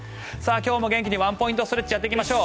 今日も元気にワンポイントストレッチをやっていきましょう。